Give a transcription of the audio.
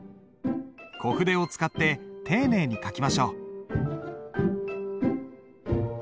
小筆を使って丁寧に書きましょう。